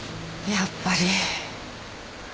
やっぱり。